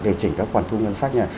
để chỉnh các quản thu ngân sách